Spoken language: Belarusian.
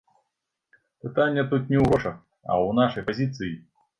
Пытанне тут не ў грошах, а ў нашай пазіцыі.